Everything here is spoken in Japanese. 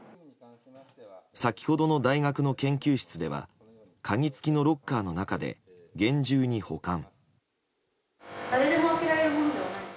先ほどの大学の研究室では鍵付きのロッカーの中で厳重に保管。